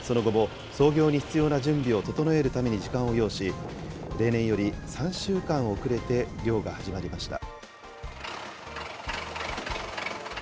その後も操業に必要な準備を整えるために時間を要し、例年より３週間遅れて漁が始まりました。